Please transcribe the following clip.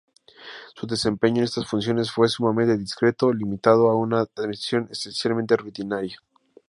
Su desempeño en estas funciones fue sumamente discreto, limitado a una administración esencialmente rutinaria.